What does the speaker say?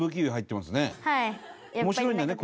面白いんだね？